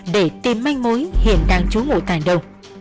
để tìm manh mối hiền đang trú ngủ tàn đâu